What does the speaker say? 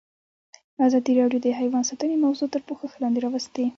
ازادي راډیو د حیوان ساتنه موضوع تر پوښښ لاندې راوستې.